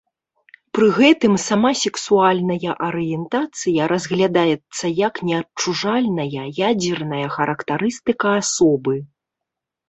Пры гэтым сама сексуальная арыентацыя разглядаецца як неадчужальная, ядзерная характарыстыка асобы.